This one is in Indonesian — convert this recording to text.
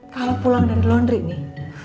kalau pulang dari laundry nih